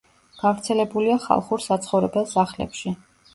გავრცელებულია ხალხურ საცხოვრებელ სახლებში.